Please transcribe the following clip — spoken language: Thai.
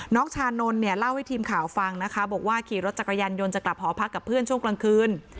ชานนท์เนี่ยเล่าให้ทีมข่าวฟังนะคะบอกว่าขี่รถจักรยานยนต์จะกลับหอพักกับเพื่อนช่วงกลางคืน